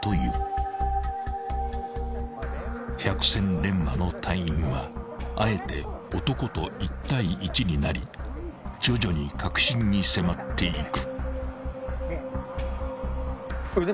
［百戦錬磨の隊員はあえて男と１対１になり徐々に核心に迫っていく］